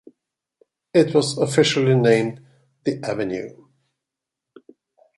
It was officially named The Avenue.